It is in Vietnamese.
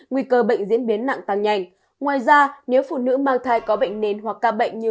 nguy cơ bệnh diễn biến nặng tăng nhanh ngoài ra nếu phụ nữ mang thai có bệnh nền hoặc ca bệnh như